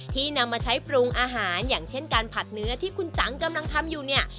นำมาใช้ปรุงอาหารอย่างเช่นการผัดเนื้อที่คุณจังกำลังทำอยู่เนี่ย